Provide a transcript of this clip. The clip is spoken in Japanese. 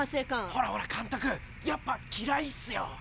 ほらほら監督やっぱ機雷っすよ。